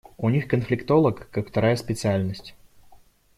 У них конфликтолог как вторая специальность.